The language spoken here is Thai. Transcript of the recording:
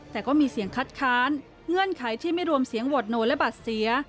แต่ก็มีเสียงคัดค้านเงื่อนไขที่ไม่รวมเสียงโหวตโนและบัตรเสีย